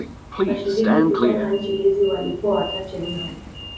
Washiriki kutoka nchi hizi walikuwa wachache mno.